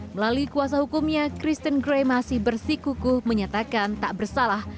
melalui kuasa hukumnya kristen gray masih bersikuku menyatakan tak bersalah